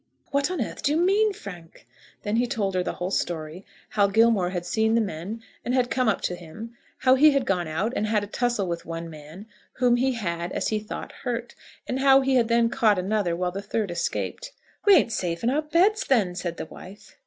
"What on earth do you mean, Frank?" Then he told her the whole story, how Gilmore had seen the men, and had come up to him; how he had gone out and had a tussle with one man, whom he had, as he thought, hurt; and how he had then caught another, while the third escaped. "We ain't safe in our beds, then," said the wife.